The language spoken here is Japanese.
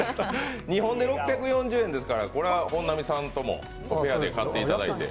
２本で６４０円ですから本並さんともペアで買っていただいて。